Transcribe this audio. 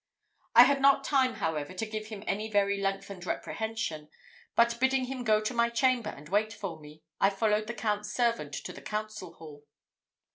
I had not time, however, to give him any very lengthened reprehension; but bidding him go to my chamber and wait for me, I followed the Count's servant to the council hall.